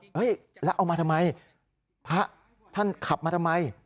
แล้วเอามาทำไมพระท่านขับมาทำไม